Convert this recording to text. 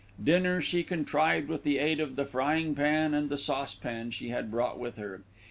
Dinner she contrived with the aid of the frying pan and the saucepan she had brought with her.